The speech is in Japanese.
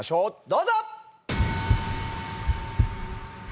どうぞ！